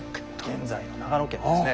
現在の長野県ですね。